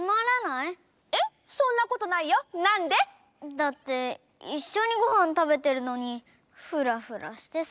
だっていっしょにごはんたべてるのにフラフラしてさ。